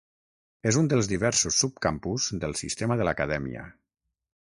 És un dels diversos subcampus del sistema de l'Acadèmia.